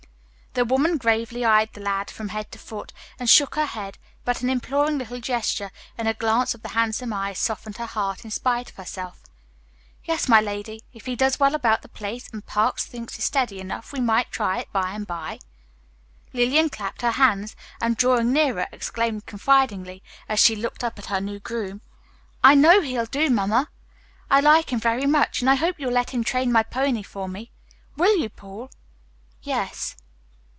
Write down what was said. The woman gravely eyed the lad from head to foot, and shook her head, but an imploring little gesture and a glance of the handsome eyes softened her heart in spite of herself. "Yes, my lady, if he does well about the place, and Parks thinks he's steady enough, we might try it by and by." Lillian clapped her hands and, drawing nearer, exclaimed confidingly, as she looked up at her new groom, "I know he'll do, Mamma. I like him very much, and I hope you'll let him train my pony for me. Will you, Paul?" "Yes."